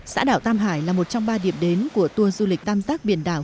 xã đảo tam hải là một trong ba điểm đến của tour du lịch tam giác biển đảo